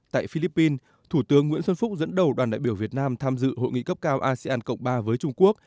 tại philippines thủ tướng nguyễn xuân phúc dẫn đầu đoàn đại biểu việt nam tham dự hội nghị cấp cao asean cộng ba với trung quốc